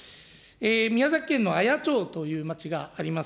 宮崎県のあや町という町があります。